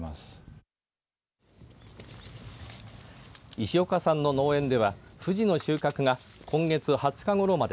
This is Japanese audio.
石岡さんの農園ではふじの収穫が今月２０日ごろまで